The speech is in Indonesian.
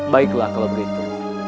baiklah kalau begitu